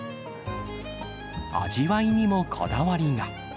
味わいにもこだわりが。